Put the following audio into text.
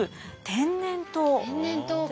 天然痘か。